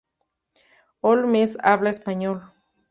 Holmes habla español.